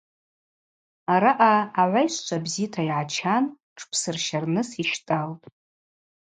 Араъа агӏвайщчва бзита йгӏачан тшпсырщарныс йщтӏалтӏ.